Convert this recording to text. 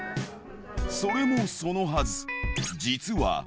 それもそのはず、実は。